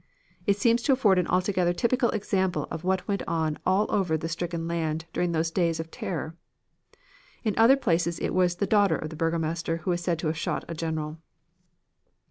It seems to afford an altogether typical example of what went on all over the stricken land during those days of terror. (In other places it was the daughter of the burgomaster who was said to have shot a general.)